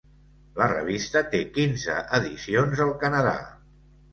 La revista té quinze edicions al Canadà.